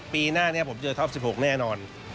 ปีหน้านี้ผมเจอท็อป๑๖แน่นอน